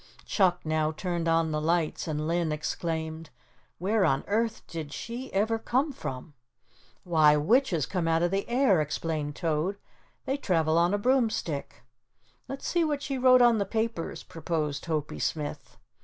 Chuck now turned on the lights and Linn exclaimed: "Where on earth did she ever come from?" "Why, witches come out of the air," explained Toad. "They travel on a broomstick." "Let's see what she wrote on the papers," proposed Hopie Smith.